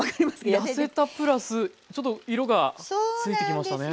痩せたプラスちょっと色がついてきましたね。